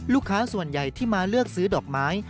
ลูกค้าส่วนใหญ่ที่มาเลือกซื้อดอกไม้